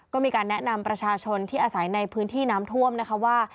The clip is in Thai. ก็มีการแนะนำประชาชนที่อาศัยในพื้นที่น้ำท่วมนะคะว่า